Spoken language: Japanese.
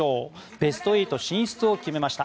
ベスト８進出を決めました。